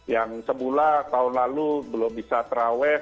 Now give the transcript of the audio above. yang semula tahun lalu belum bisa terawih